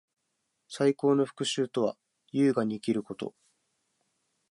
最高の復讐とは，優雅に生きること。